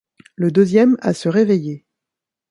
Le deuxième à se réveiller.